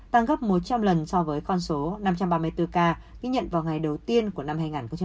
tăng gấp một trăm linh lần so với con số năm trăm ba mươi bốn ca ghi nhận vào ngày đầu tiên của năm hai nghìn một mươi chín